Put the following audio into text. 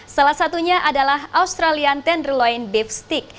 salah satunya adalah australian tenderloin beef stick